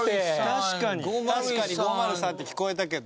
確かに確かに「５０３」って聞こえたけど。